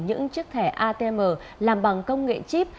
những chiếc thẻ atm làm bằng công nghệ chip